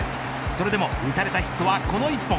それでも打たれたヒットはこの１本。